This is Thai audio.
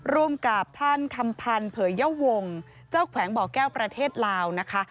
ร่วมกับท่านคำพันธ์เผยเยาวงเจ้าแขวงบ่อแก้วประเทศลาวนะคะ